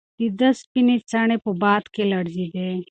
د ده سپینې څڼې په باد کې لړزېدې.